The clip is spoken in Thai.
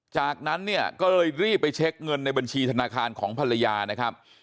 จากนั้นเนี่ยก็เลยรีบไปเช็คเงินในบัญชีธนาคารของภรรยานะครับ